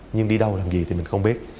nhưng đi đâu làm gì thì mình không biết